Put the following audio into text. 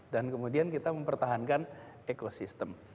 dan kemudian kita mempertahankan ekosistem